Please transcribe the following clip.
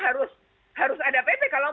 harus ada pp kalau